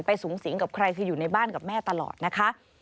สูงสิงกับใครคืออยู่ในบ้านกับแม่ตลอดนะคะ